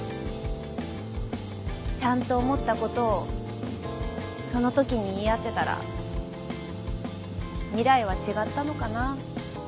ちゃんと思ったことをその時に言い合ってたら未来は違ったのかな？